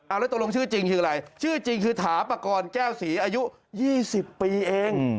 แล้วตกลงชื่อจริงคืออะไรชื่อจริงคือถาปากรแก้วศรีอายุ๒๐ปีเอง